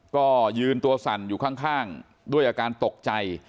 ก็ยืนตัวสั่นอยู่ข้างด้วยอาการตกใจ